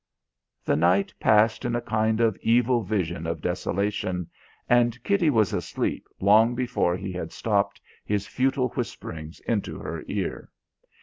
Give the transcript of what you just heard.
The night passed in a kind of evil vision of desolation, and Kitty was asleep long before he had stopped his futile whisperings into her ear.